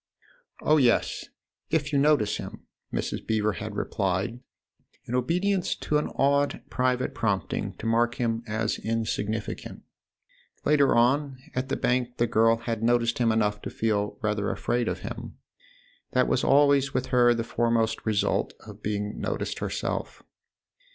" Oh, yes, if you notice him !" Mrs. Beever had replied in obedience to an odd private prompting to mark him as insignificant. Later on, at the Bank, the girl noticed him enough to feel rather afraid of him : that was always with her the foremost result of being noticed herself.